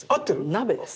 鍋です。